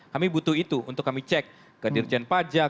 kami butuh itu untuk kami cek ke dirjen pajak